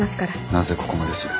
なぜここまでする？